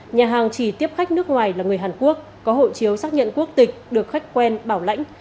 nhà hàng chỉ tiếp khách nước ngoài là người hàn quốc có hộ chiếu xác nhận quốc tịch được khách quen bảo lãnh